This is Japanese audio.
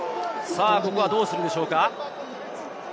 ここはどうするでしょうか？